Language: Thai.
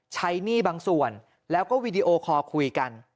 หนี้บางส่วนแล้วก็วีดีโอคอลคุยกัน